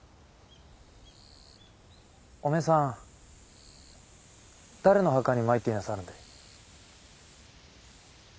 お前さん誰の墓に参っていなさるんで？